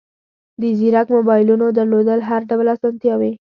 د زیرک موبایلونو درلودل هر ډول اسانتیاوې